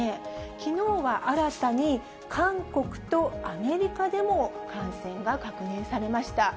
きのうは新たに韓国とアメリカでも感染が確認されました。